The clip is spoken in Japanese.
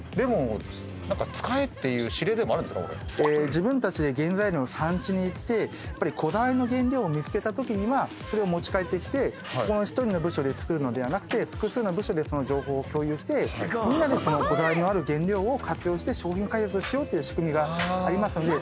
自分たちで原材料の産地に行ってこだわりの原料を見つけたときにはそれを持ち帰ってきて一人の部署で作るのではなくて複数の部署でその情報を共有してみんなでこだわりのある原料を活用して商品開発をしようっていう仕組みがありますので。